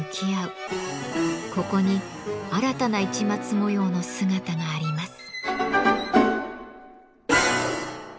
ここに新たな市松模様の姿があります。